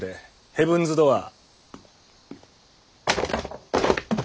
ヘブンズ・ドアー。